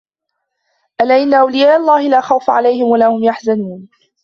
ألا إن أولياء الله لا خوف عليهم ولا هم يحزنون